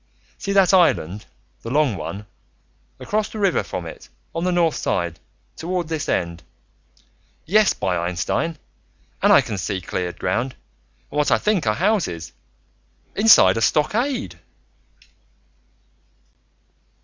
"See that island, the long one? Across the river from it, on the north side, toward this end. Yes, by Einstein! And I can see cleared ground, and what I think are houses, inside a stockade...."